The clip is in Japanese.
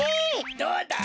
どうだい？